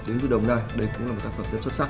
tiến duy đồng đây đây cũng là một tác phẩm rất xuất sắc